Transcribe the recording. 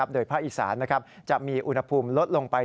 โดยภาคอีสานจะมีอุณหภูมิลดลงไป